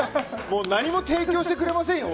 何も提供してくれませんよ